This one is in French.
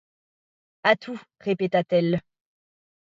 À tout, répéta-t-elle.